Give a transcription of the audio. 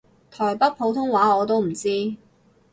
台北普通話我都唔知